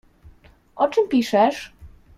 O czym piszesz?